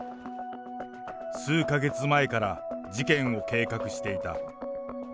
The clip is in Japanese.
数か月前から事件を計画していた。